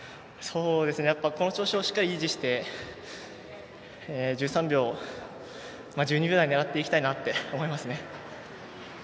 この調子しっかり維持して１２秒台狙っていきたいなと思いますね。